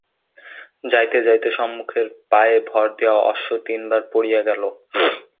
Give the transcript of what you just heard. যাইতে যাইতে সম্মুখের পায়ে ভর দিয়া অশ্ব তিনবার পড়িয়া গেল।